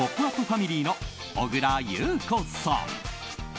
ファミリーの小倉優子さん。